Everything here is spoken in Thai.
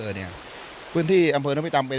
แล้วปีนที่นบพิตามเป็น